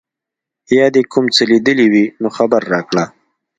یا دي کوم څه لیدلي وي نو خبر راکړه.